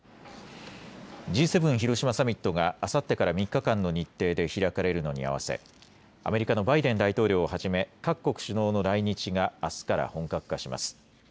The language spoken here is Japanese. Ｇ７広島サミットがあさってから３日間の日程で開かれるのに合わせアメリカのバイデン大統領をはじめ各国首脳の来日があすから本格化します。